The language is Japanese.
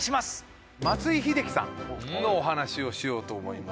松井秀喜さんのお話をしようと思います。